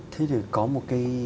thế thì có một cái